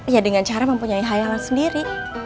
ya dengan cara mempunyai hayalan sendiri